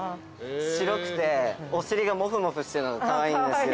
白くて、お尻がもふもふしてるのがかわいいんですよ。